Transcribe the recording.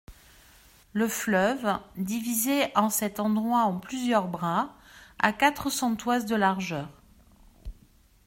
Le fleuve divisé en cet endroit en plusieurs bras, a quatre cents toises de largeur.